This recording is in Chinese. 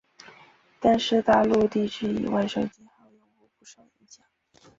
但是大陆地区以外手机号用户不受影响。